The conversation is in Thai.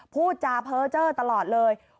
พูดจาเพ้อเจอร์ตลอดเลย